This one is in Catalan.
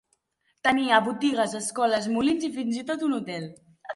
Tenia botigues, escoles, molins i, fins i tot, un hotel.